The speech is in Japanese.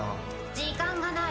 時間がない。